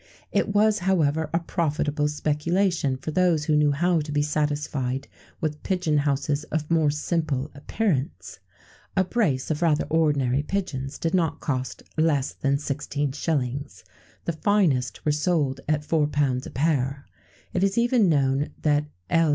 It was, however, a profitable speculation for those who knew how to be satisfied with pigeon houses of more simple appearance. A brace of rather ordinary pigeons did not cost less than 16s.: the finest were sold at £4 a pair. It is even known that L.